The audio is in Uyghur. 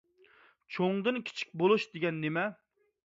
«چوڭدىن كىچىك بولۇش» دېگەن نېمە؟